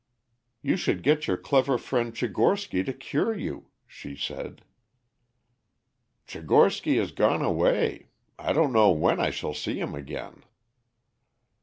"You should get your clever friend Tchigorsky to cure you," she said. "Tchigorsky has gone away. I don't know when I shall see him again."